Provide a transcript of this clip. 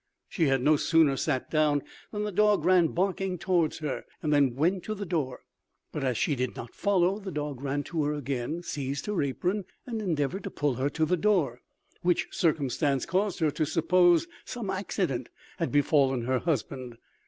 She had no sooner sat down than the dog ran barking towards her, and then went to the door: but as she did not follow, the dog ran to her again, seized her apron, and endeavoured to pull her to the door; which circumstance caused her to suppose some accident had befallen her husband.